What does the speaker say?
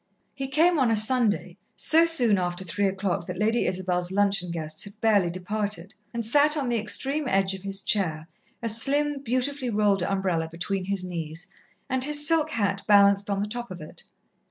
He came on a Sunday, so soon after three o'clock that Lady Isabel's luncheon guests had barely departed, and sat on the extreme edge of his chair, a slim, beautifully rolled umbrella between his knees, and his silk hat balanced on the top of it.